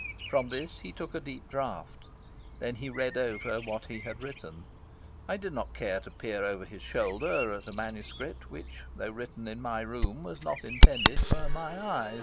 From this he took a deep draught. Then he read over what he had written. I did not care to peer over his shoulder at MS. which, though written in my room, was not intended for my eyes.